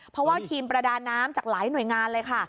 เพราะว่าทีมประดาน้ำจากหลายหน่วยงานเลยค่ะ